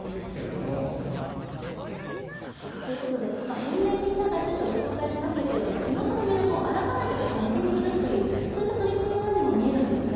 返礼品探しとご紹介しましたけれども地元の魅力を改めて発見するというそういう取り組みにも見えるんですが。